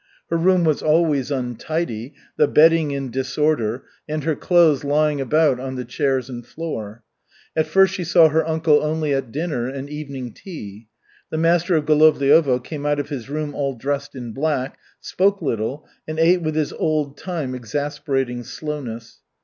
Her room was always untidy, the bedding in disorder, and her clothes lying about on the chairs and floor. At first she saw her uncle only at dinner and evening tea. The master of Golovliovo came out of his room all dressed in black, spoke little, and ate with his old time exasperating slowness.